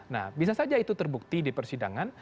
nah bisa saja itu terbukti di persidangan